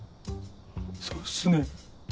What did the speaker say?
そうっすね。